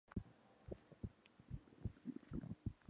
The inn was popular and mentioned by travel guides at the time.